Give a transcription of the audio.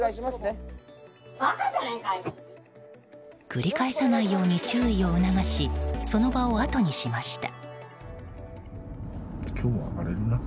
繰り返さないように注意を促しその場をあとにしました。